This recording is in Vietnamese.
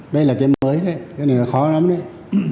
đây là cái mới đấy cái này là khó lắm đấy